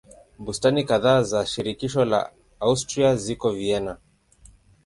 Bustani kadhaa za shirikisho la Austria ziko Vienna.